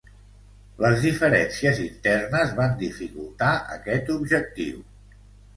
Les diferències internes van dificultar aquest objectiu.